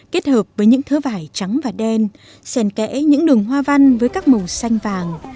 kết hợp với những thứ vải trắng và đen sen kẽ những đường hoa văn với các màu xanh vàng